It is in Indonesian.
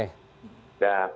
nah bagaimana perlindungannya